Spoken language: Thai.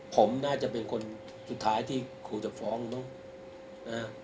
ผมน่าจะเป็นคนสุดท้ายที่ครูจะฟ้องเนอะ